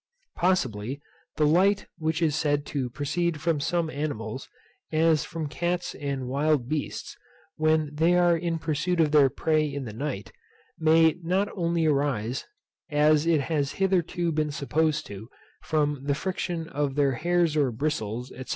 Possibly, the light which is said to proceed from some animals, as from cats and wild beasts, when they are in pursuit of their prey in the night, may not only arise, as it has hitherto been supposed to do, from the friction of their hairs or bristles, &c.